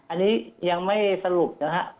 อันนี้ยังไม่สรุปนะครับ